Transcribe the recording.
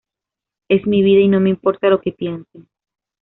Es mi vida y no me importa lo que piensen.